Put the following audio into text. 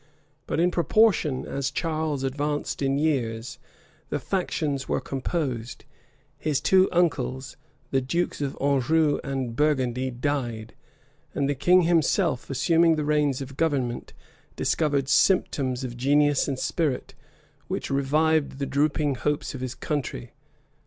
But in proportion as Charles advanced in years, the factions were composed; his two uncles, the dukes of Anjou and Burgundy, died; and the king himself, assuming the reins of government, discovered symptoms of genius and spirit, which revived the drooping hopes of his country.